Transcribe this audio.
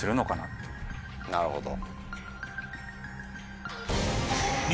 なるほど。